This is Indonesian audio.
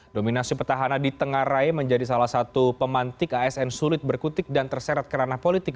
dominasi petahana di tengah rai menjadi salah satu pemantik asn sulit berkutik dan terseret kerana politik